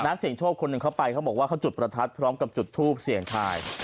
นักเสียงโชคคนหนึ่งเข้าไปเขาบอกว่าเขาจุดประทัดพร้อมกับจุดทูปเสียงทาย